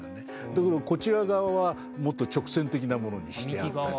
ところがこちら側はもっと直線的なものにしてあったり。